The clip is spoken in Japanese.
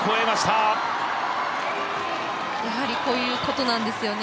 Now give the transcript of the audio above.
やはりこういうことなんですよね。